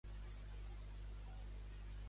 Quina diferència hi veu amb el castellà d'ell?